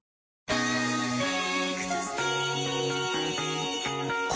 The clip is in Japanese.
「パーフェクトスティック」